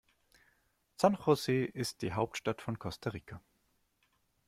San José ist die Hauptstadt von Costa Rica.